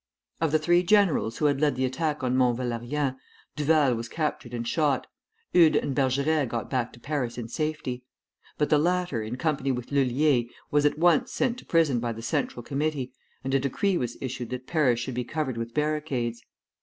Of the three generals who led the attack on Mont Valérien, Duval was captured and shot; Eudes and Bergeret got back to Paris in safety. But the latter, in company with Lullier, was at once sent to prison by the Central Committee, and a decree was issued that Paris should be covered with barricades.